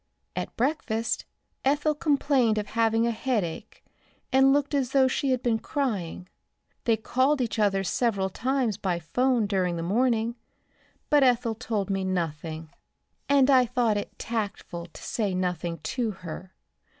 At breakfast Ethel complained of having a headache and looked as though she had been crying. They called each other up several times by 'phone during the morning, but Ethel told me nothing, and I thought it tactful to say nothing to her.